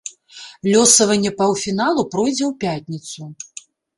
Лёсаванне паўфіналу пройдзе ў пятніцу.